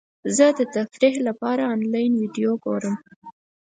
زه د تفریح لپاره انلاین ویډیو ګورم.